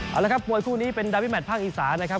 เอาละครับมวยคู่นี้เป็นดาวิแมทภาคอีสานนะครับ